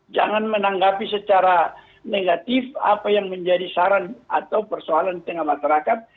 jangan menanggapi secara negatif apa yang menjadi saran atau persoalan di tengah masyarakat